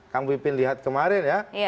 kamu ipin lihat kemarin ya